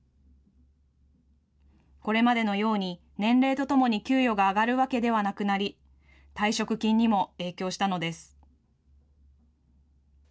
これまでのように、年齢とともに給与が上がるわけではなくなり、退職金にも影響したのです。